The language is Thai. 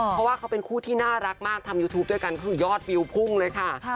เพราะว่าเขาเป็นคู่ที่น่ารักมากทำยูทูปด้วยกันคือยอดวิวพุ่งเลยค่ะ